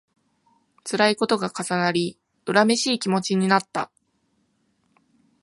つらいことが重なり、恨めしい気持ちになった